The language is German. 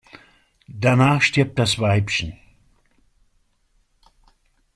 Danach stirbt das Weibchen.